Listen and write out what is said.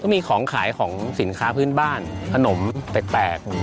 มีของขายของสินค้าพื้นบ้านขนมแปลก